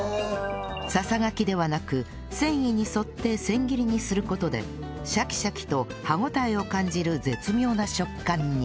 ささがきではなく繊維に沿って千切りにする事でシャキシャキと歯応えを感じる絶妙な食感に